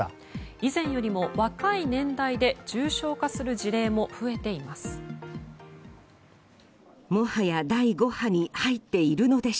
以前よりも若い年代で重症化する事例も増えています。